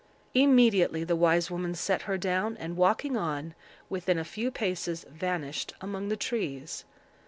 Immediately the wise woman set her down, and, walking on, within a few paces vanished among the trees.